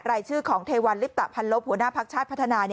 รายชื่อของเทวัลลิปตะพันลบหัวหน้าพักชาติพัฒนา